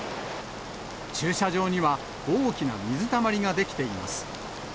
駐車場には大きな水たまりが出来ています。